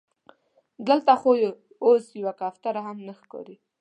دلته خو اوس یوه کوتره هم نه ښکاري.